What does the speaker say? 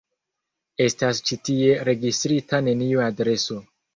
Estas ĉi tie registrita neniu adreso.